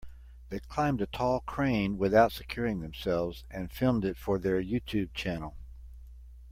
They climbed a tall crane without securing themselves and filmed it for their YouTube channel.